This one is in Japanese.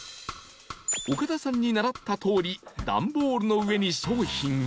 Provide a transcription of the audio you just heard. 岡田さんに習った通り段ボールの上に商品を